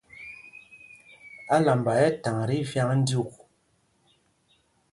Álamba ɛ́ ɛ́ thaŋ tí vyǎŋ dyûk.